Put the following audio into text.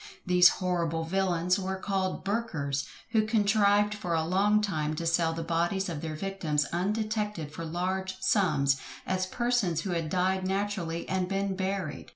These horrible villains were called Burkers, who contrived for a long time to sell the bodies of their victims undetected for large sums, as persons who had died naturally and been buried.